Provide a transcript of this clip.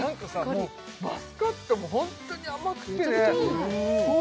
もうマスカットもホントに甘くてね